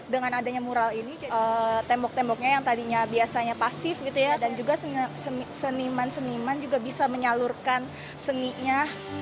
dengan adanya mural ini tembok temboknya yang tadinya biasanya pasif gitu ya dan juga seniman seniman juga bisa menyalurkan seninya